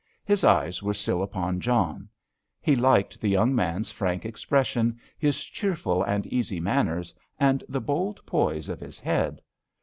His eyes were still upon John. He liked the young man's frank expression, his cheerful and easy manners and the bold poise of his head.